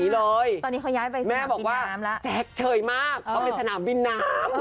พี่จะบอกว่าแจ๊กเชยมากเขาในสนามวินน้ำ